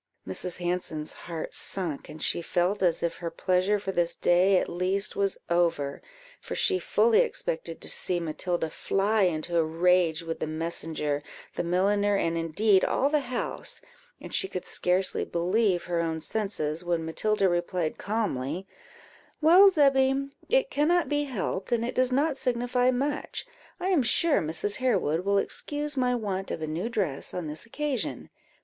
Mrs. Hanson's heart sunk, and she felt as if her pleasure for this day at least was over, for she fully expected to see Matilda fly into a rage with the messenger, the milliner, and indeed all the house; and she could scarcely believe her own senses, when Matilda replied calmly "Well, Zebby, it cannot be helped, and it does not signify much; I am sure Mrs. Harewood will excuse my want of a new dress on this occasion.